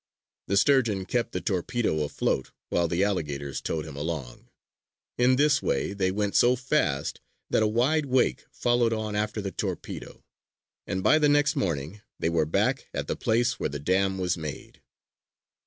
The Sturgeon kept the torpedo afloat, while the alligators towed him along. In this way they went so fast that a wide wake followed on after the torpedo; and by the next morning they were back at the place where the dam was made.